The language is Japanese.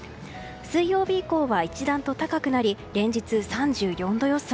水曜日以降は一段と高くなり連日３４度予想。